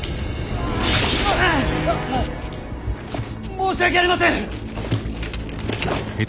申し訳ありません！